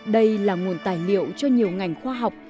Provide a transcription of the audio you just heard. đây là nguồn tài liệu cho nhiều ngành khoa học